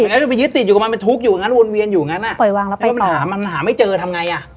มันก็จะไปยึดติดอยู่กับมันเป็นทุกข์อยู่อย่างนั้นวนเวียนอยู่อย่างนั้นอ่ะ